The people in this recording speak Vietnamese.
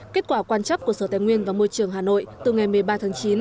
kết quả quan chấp của sở tài nguyên và môi trường hà nội từ ngày một mươi ba tháng chín